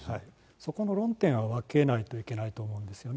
そこの論点は分けないといけないと思うんですよね。